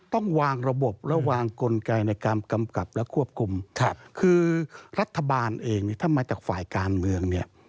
ต้องวางระบบและวางกลไกในการกำกับและควบคุมคือรัฐบาลเองเนี่ยถ้ามาจากฝ่ายการเมืองเนี่ย